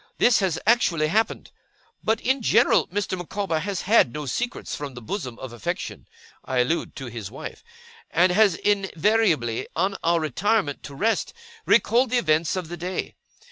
This has actually happened. But, in general, Mr. Micawber has had no secrets from the bosom of affection I allude to his wife and has invariably, on our retirement to rest, recalled the events of the day.